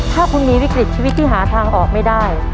ถ้าคุณมีวิกฤตชีวิตที่หาทางออกไม่ได้